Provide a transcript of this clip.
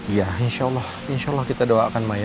ya insya allah insya allah kita doakan maya